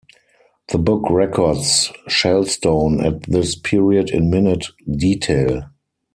The book records Shalstone at this period in minute detail.